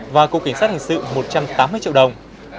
và cục kiến sát hành sự một trăm tám mươi triệu đồng